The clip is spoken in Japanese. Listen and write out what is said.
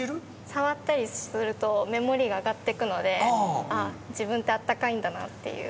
触ったりすると目盛りが上がっていくので自分って温かいんだなっていう。